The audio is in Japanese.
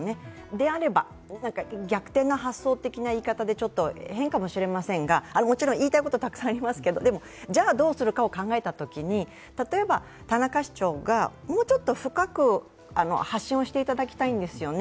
であれば、逆転の発想的な言い方でちょっと変かもしれませんがもちろん言いたいことはたくさんあります、じゃあ、どうするかを考えたときに例えば、田中市長がもうちょっと深く発信をしていただきたいんですよね。